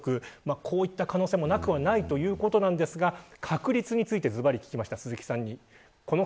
こういった可能性もなくはないということですが確率について鈴木さんに聞きました。